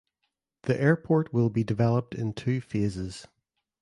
The airport will be developed in two phases.